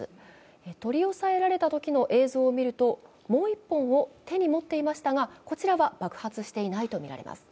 取り押さえられたときの映像を見ると、もう一本を手に持っていましたが、こちらは爆発していないとみられます。